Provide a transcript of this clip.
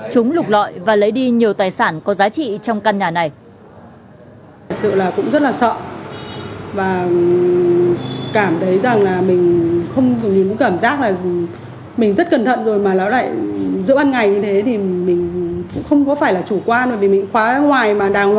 chúng lục lọi và lấy đi nhiều tài sản có giá trị trong căn nhà này